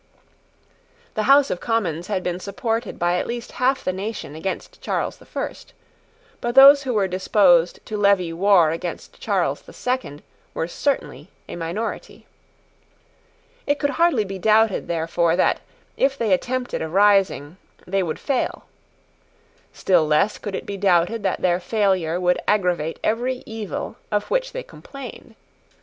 The House of Commons had been supported by at least half the nation against Charles the First. But those who were disposed to levy war against Charles the Second were certainly a minority. It could hardly be doubted, therefore, that, if they attempted a rising, they would fail. Still less could it be doubted that their failure would aggravate every evil of which they complained.